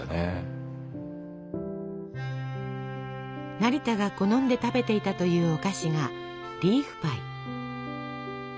成田が好んで食べていたというお菓子がリーフパイ。